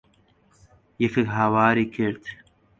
یەکێک هاواری کرد.